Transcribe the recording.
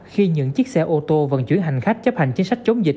khi những chiếc xe ô tô vận chuyển hành khách chấp hành chính sách chống dịch